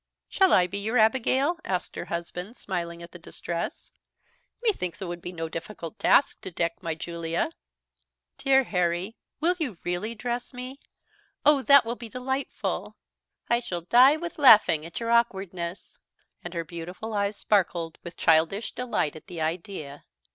"Shall I be your Abigail?" asked her husband, smiling at the distress; "me thinks it would be no difficult task to deck my Julia." "Dear Harry, will you really dress me? Oh! That will be delightful! I shall die with laughing at your awkwardness;" and her beautiful eyes sparkled with childish delight at the idea.